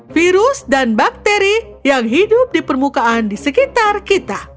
virus dan bakteri yang hidup di permukaan di sekitar kita